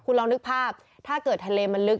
คุณลองนึกภาพถ้าเกิดทะเลมันลึก